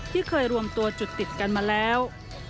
ที่เคยรวมตัวจุดติดกันมาแล้ว